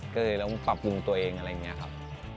ก็เลยต้องปรับปรุงตัวเองอะไรอย่างนี้ครับ